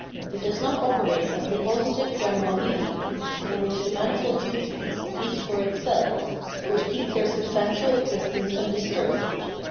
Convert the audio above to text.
It does not operate as the positive general medium, in which the manifold duties, each for itself, would keep their substan tial existence undisturbed.